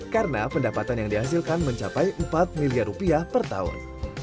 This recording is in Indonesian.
karena pendapatan yang dihasilkan mencapai rp empat miliar per tahun